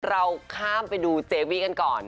เราข้ามไปดูเจวีกันก่อน